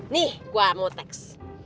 nih gua mau teks